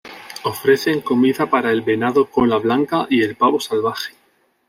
Ofrecen comida para el venado cola blanca y el pavo salvaje.